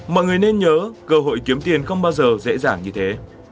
mọi người nên nhớ cơ hội kiếm tiền không bao giờ dễ dàng như thế